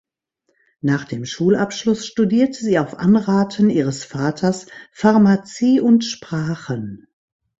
Nach dem Schulabschluss studierte sie auf Anraten ihres Vaters Pharmazie und Sprachen.